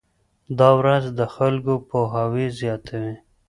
دا ورځ د خلکو پوهاوی زیاتوي.